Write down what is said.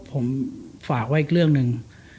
ผมฝากไว้อีกเรื่องหนึ่ง